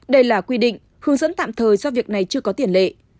đây là quy định hướng dẫn tạm thời do việc này chưa có tiền lệ